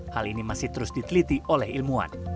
hal ini masih terus diteliti oleh ilmuwan